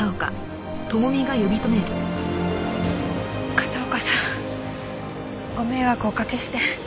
片岡さんご迷惑おかけして。